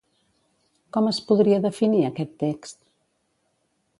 Com es podria definir aquest text?